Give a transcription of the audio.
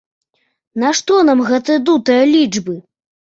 Нашто нам гэтыя дутыя лічбы?